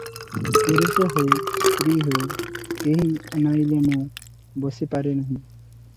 ପୁରୁଷ ହେଉ ସ୍ତ୍ରୀ ହେଉ, କେହି ଅନାଇଲେ ମୁଁ ବସିପାରେ ନାହିଁ ।"